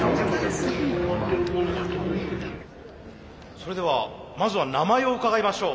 それではまずは名前を伺いましょう。